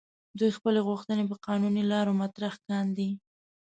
دوی خپلې غوښتنې په قانوني لارو مطرح کاندي.